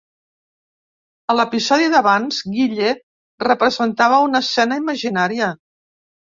A l'episodi d'abans, Guille representava una escena imaginària.